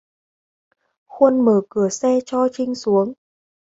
Khuôn Mở cửa xe cho trinh xuống